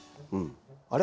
あれ？